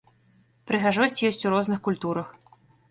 Прыгажосць ёсць у розных культурах.